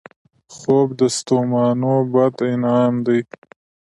خوب د ستومانو بدن انعام دی